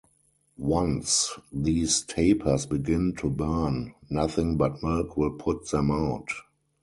Once these tapers begin to burn, nothing but milk will put them out.